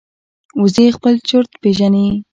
وزې خپل چرته پېژني